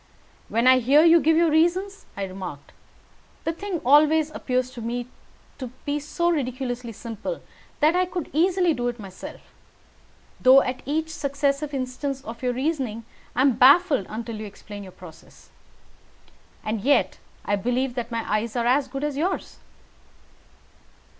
"When I hear you give your reasons," I remarked, "the thing always appears to me so ridiculously simple that I could easily do it myself, though at each successive instance of your reasoning I am baffled, until you explain your process. And yet, I believe that my eyes are as good as yours."